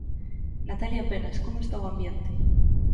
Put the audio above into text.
Natalia Penas, como está o ambiente?